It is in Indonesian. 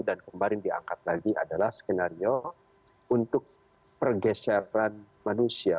dan kemarin diangkat lagi adalah skenario untuk pergeseran manusia